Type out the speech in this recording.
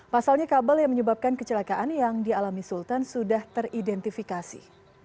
pasalnya kabel yang menyebabkan kecelakaan yang dialami sultan sudah teridentifikasi